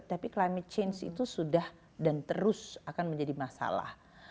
tapi climate change itu sudah dan terus akan menjadi masalah